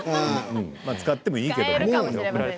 まあ使ってもいいけど。